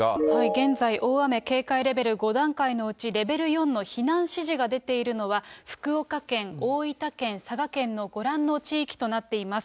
現在大雨警戒レベル５段階のうち、レベル４の避難指示が出ているのは、福岡県、大分県、佐賀県のご覧の地域となっています。